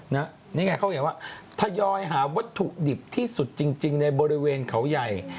นี่ไงเขาเห็นว่าทยอยหาวัตถุดิบที่สุดจริงในบริเวณเขาใหญ่